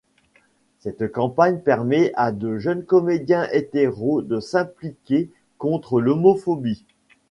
Cette campagne permet à de jeunes comédiens hétéros de s'impliquer contre l'homophobie.